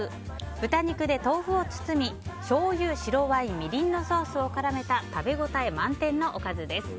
豚肉で豆腐を包みしょうゆ、白ワインみりんのソースを絡めた食べ応え満点のおかずです。